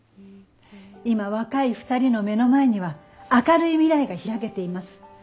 今若い二人の目の前には明るい未来が開けています。